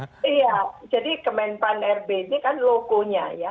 iya jadi kementerian pan rb ini kan logonya ya